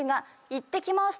「いってきまーす」